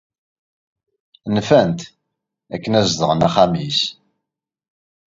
Nfan-t akken ad zedɣen axxam-is.